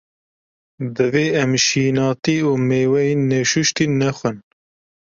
Divê em şînatî û mêweyên neşuştî, nexwin.